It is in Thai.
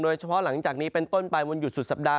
โดยเฉพาะหลังจากนี้เป็นต้นไปวันหยุดสุดสัปดาห์